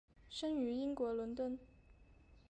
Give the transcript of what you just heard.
生于英国伦敦。